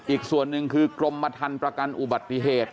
อีกส่วนหนึ่งคือกรมทันประกันอุบัติเหตุ